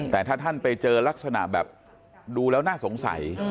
แต่ถ้าท่านไปเจอลักษณะแบบดูแล้วน่าสงสัย